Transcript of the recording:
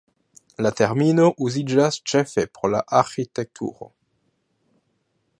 La termino uziĝas ĉefe por la arĥitekturo.